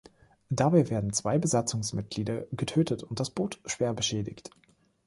Dabei werden zwei Besatzungsmitglieder getötet und das Boot schwer beschädigt.